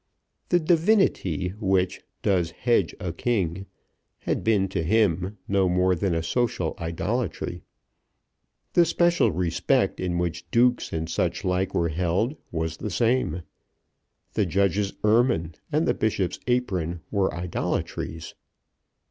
The "divinity" which "does hedge a king," had been to him no more than a social idolatry. The special respect in which dukes and such like were held was the same. The judge's ermine and the bishop's apron were idolatries.